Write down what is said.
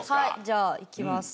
じゃあいきます。